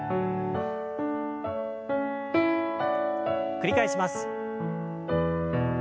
繰り返します。